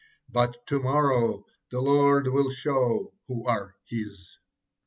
But 'to morrow the Lord will show who are His.'